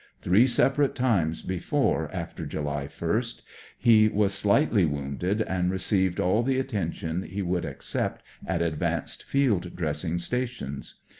Three separate times before, after July 1st, he 90 THE COCKNEY FIGHTER was stij^vtly wounded, and received all the attention he would accept at; advanced Md dressing stations.